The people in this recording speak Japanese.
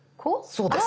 そうです。